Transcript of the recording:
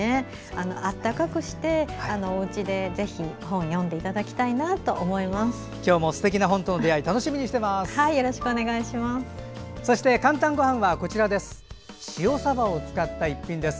暖かくして、おうちで本を読んでいただきたいなと今日もすてきな本との出会い楽しみにしてます！